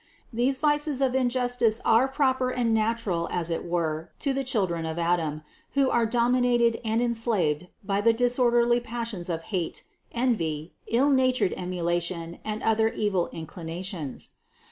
These vices of in justice are proper and natural as it were to the children of Adam, who are dominated and enslaved by the disorderly passions of hate, envy, illnatured emulation, and other evil inclinations.